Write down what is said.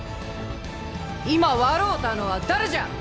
今笑うたのは誰じゃ！